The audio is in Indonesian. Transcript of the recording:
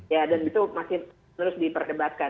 ya dan itu masih terus diperdebatkan